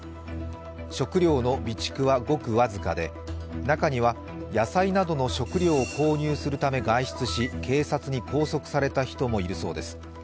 食料の備蓄はごく僅かで中には野菜などの食料を購入するため外出し警察に拘束された人もいるそうです。